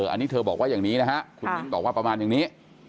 อันนี้เธอบอกว่าอย่างนี้นะฮะคุณมิ้นบอกว่าประมาณอย่างนี้